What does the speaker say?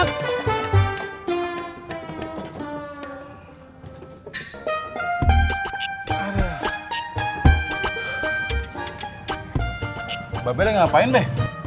mbak beleh ngapain be